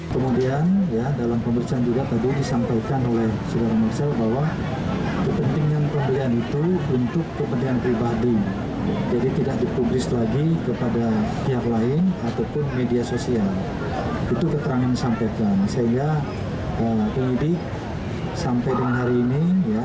tim penyidik menetapkan status marcel widianto sebagai saksi